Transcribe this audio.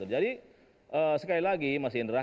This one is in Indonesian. jadi sekali lagi mas indra